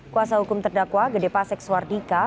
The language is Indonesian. kuasa hukum terdakwa gedepa seksuardika